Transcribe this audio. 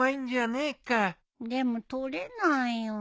でも取れないよ。